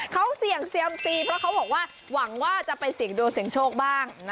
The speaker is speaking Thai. เขาเสี่ยงเซียมซีเพราะเขาบอกว่าหวังว่าจะไปเสี่ยงโดนเสียงโชคบ้าง